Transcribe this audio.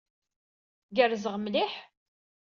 Gerrzeɣ mliḥ.